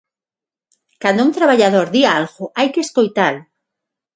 Cando un traballador di algo hai que escoitalo.